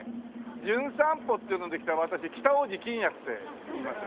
『じゅん散歩』っていうので来た私北大路欣也っていいます。